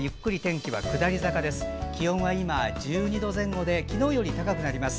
気温は今１２度前後で昨日より高くなります。